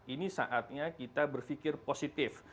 ini saatnya kita berpikir positif